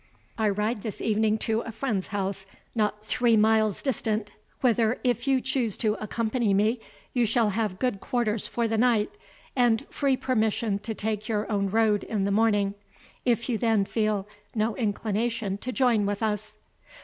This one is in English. I ride this evening to a friend's house not three miles distant, whither, if you choose to accompany me, you shall have good quarters for the night, and free permission to take your own road in the morning, if you then feel no inclination to join with us."